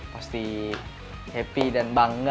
pasti happy dan bangga